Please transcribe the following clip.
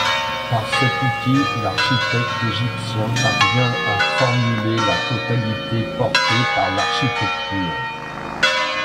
Par cet outil, l'architecte égyptien parvient à formuler la totalité portée par l'architecture.